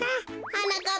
はなかっ